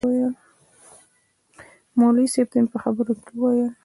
مولوي صاحب ته مې په خبرو کې ویل.